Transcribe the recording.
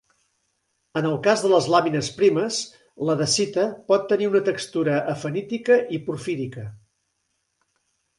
En el cas de les làmines primes, la dacita pot tenir una textura afanítica a porfírica.